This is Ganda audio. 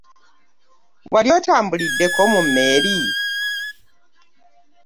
Wali otambuliddeko mu mmeeri?